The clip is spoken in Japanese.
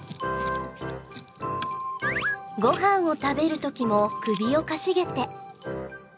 ごはんを食べる時も首をかしげて。